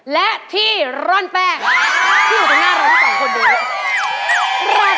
และที่เริ่มแพงอยู่ตรงหน้าเราทั้ง๒คนเหมือนกัน